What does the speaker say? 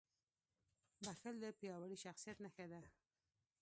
• بښل د پیاوړي شخصیت نښه ده.